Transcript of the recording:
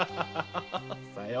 さよう。